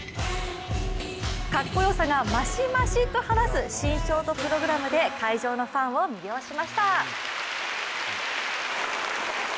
かっこよさが増し増しと話す新ショートプログラムで会場のファンを魅了しました。